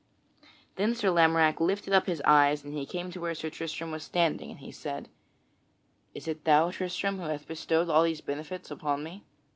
Then Sir Lamorack lifted up his eyes and he came to where Sir Tristram was standing and he said: "Is it thou, Tristram, who hath bestowed all these benefits upon me?"